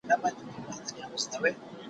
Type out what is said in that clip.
نر يم، نه در وزم!